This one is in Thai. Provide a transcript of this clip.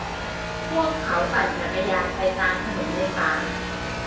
พวกเขาปั่นจักรยานไปตามถนนในป่า